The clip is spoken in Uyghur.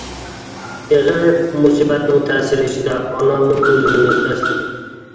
ئېغىر مۇسىبەتنىڭ تەسىرى ئىچىدە ئانامنىڭ ئۆلۈمىنى ئەسلىدىم.